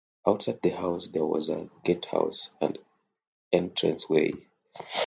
Outside the house there was a gatehouse and entranceway.